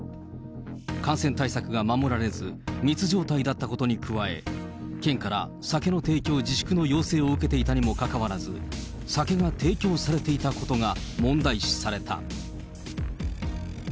感染対策が守られず、密状態だったことに加え、県から酒の提供自粛の要請を受けていたにもかかわらず、酒が提供されていたことが問題視された。